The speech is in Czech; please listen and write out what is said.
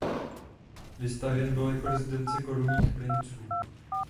Vystavěn byl jako rezidence korunních princů.